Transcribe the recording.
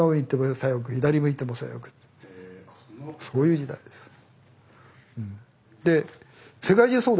そういう時代です。